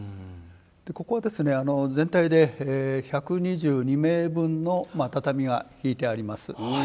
ここは全体で１２２名分の畳が敷いてあります。